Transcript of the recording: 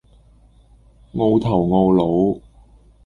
傲頭傲腦